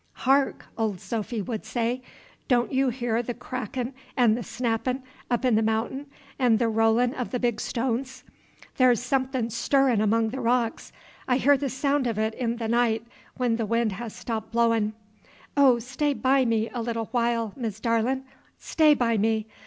"Hark!" Old Sophy would say, "don' you hear th' crackin' 'n' th' snappin' up in Th' Mountain, 'n' th' rollin' o' th' big stones? The' 's somethin' stirrin' among th' rocks; I hear th' soun' of it in th' night, when th' wind has stopped blowin'. Oh, stay by me a little while, Miss Darlin'! stay by me!